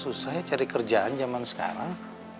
susah ya cari kerjaan zaman sekarang